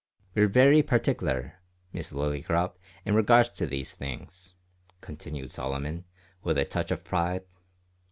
"We're very partickler, Miss Lillycrop, in regard to these things," continued Solomon, with a touch of pride.